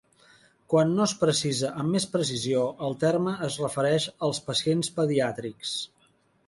Quan no es precisa amb més precisió, el terme es refereix als pacients pediàtrics.